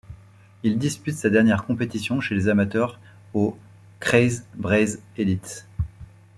Il dispute sa dernière compétition chez les amateurs au Kreiz Breizh Elites.